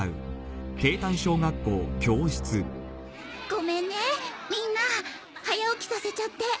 ごめんねみんな早起きさせちゃって。